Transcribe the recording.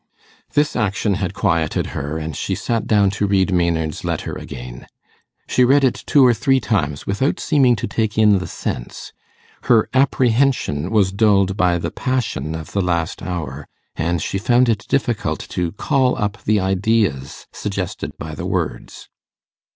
This action had quieted her, and she sat down to read Maynard's letter again. She read it two or three times without seeming to take in the sense; her apprehension was dulled by the passion of the last hour, and she found it difficult to call up the ideas suggested by the words.